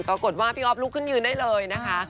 ปรากฏว่าพี่อ๊อฟลุกขึ้นยืนได้เลยนะคะ